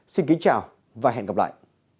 xin kính chào và hẹn gặp lại